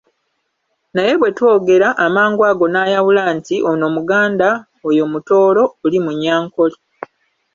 Naye bwe twogera, amangu ago ng'ayawula nti: Ono Muganda, oyo Mutoro, oli Munyankole.